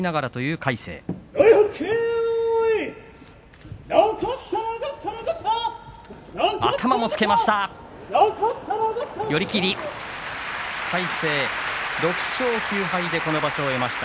魁聖６勝９敗でこの場所を終えました。